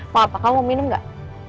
mau apa kamu mau minum gak